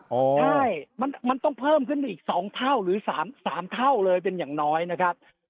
ใช่มันต้องเพิ่มขึ้นไปอีก๒เท่าหรือ๓เท่าเลยเป็นอย่างน้อยนะครับ